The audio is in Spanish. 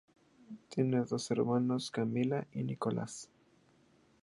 Tiene dos hermanos, Camila y Nicolás.